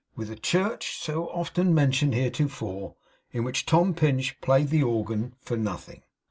With the church, so often mentioned heretofore, in which Tom Pinch played the organ for nothing.